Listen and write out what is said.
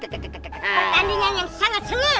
pertandingan yang sangat selit